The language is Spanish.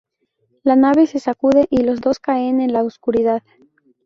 La nave se sacude y los dos caen en la oscuridad.